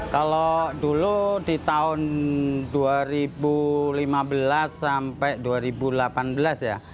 kalau dulu di tahun dua ribu lima belas sampai dua ribu delapan belas ya